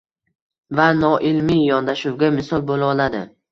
va noilmiy yondashuvga misol bo‘la oladi.